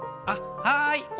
あっはい！